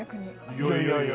いやいやいやいや。